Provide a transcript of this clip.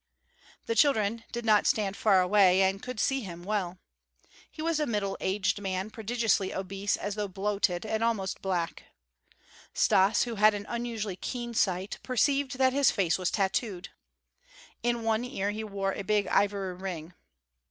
The children did not stand far away, and could see him well. He was a middle aged man, prodigiously obese as though bloated, and almost black. Stas, who had an unusually keen sight, perceived that his face was tattooed. In one ear he wore a big ivory ring.